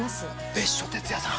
別所哲也さん。